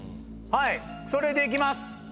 それでいきます。